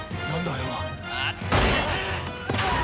あれは。